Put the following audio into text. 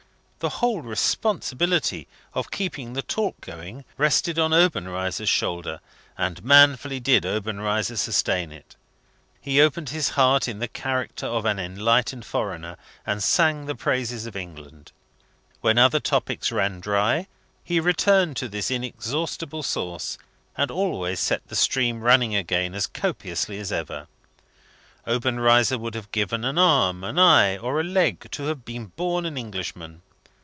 The whole responsibility of keeping the talk going rested on Obenreizer's shoulders, and manfully did Obenreizer sustain it. He opened his heart in the character of an enlightened foreigner, and sang the praises of England. When other topics ran dry, he returned to this inexhaustible source, and always set the stream running again as copiously as ever. Obenreizer would have given an arm, an eye, or a leg to have been born an Englishman.